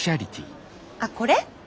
あっこれ？